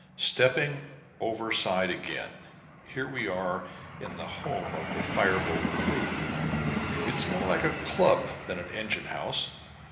Stepping over side again, here we are in the home of the fire boat crew. It's more like a club than an engine house.